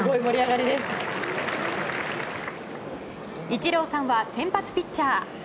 イチローさんは先発ピッチャー。